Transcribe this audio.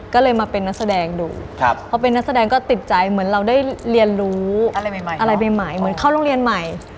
ก็เลยมาเป็นนักแสดงดูพอเป็นนักแสดงก็ติดใจเหมือนเราได้เรียนรู้อะไรใหม่อะไรใหม่เหมือนเข้าโรงเรียนใหม่